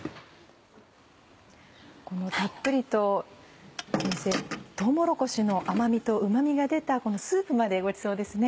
このたっぷりととうもろこしの甘みとうま味が出たこのスープまでごちそうですね。